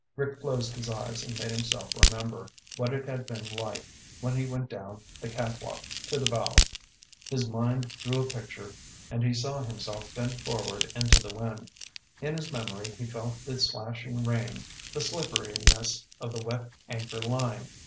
Rick closed his eyes and made himself remember what it had been like when he went down the catwalk to the bow. His mind drew a picture, and he saw himself bent forward into the wind. In his memory he felt the slashing rain, the slipperiness of the wet anchor line.